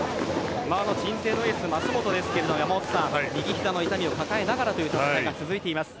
鎮西のエース・舛本ですが右膝の痛みを抱えながらという戦いが続いています。